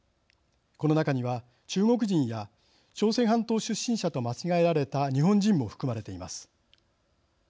この中には中国人や朝鮮半島出身者と間違えられた日本人も含まれています。